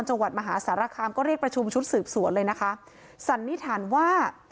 จังหวัดมหาสารคามก็เรียกประชุมชุดสืบสวนเลยนะคะสันนิษฐานว่า